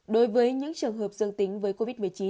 đối với những trường hợp dương tính với covid một mươi chín